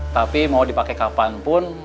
tapi mau dipakai kapanpun